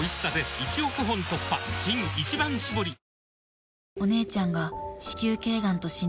新「一番搾り」ハァ。